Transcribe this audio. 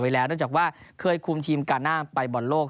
เอาไว้แล้วเนื่องจากว่าเคยคุมทีมกาหน้าไปบนโลก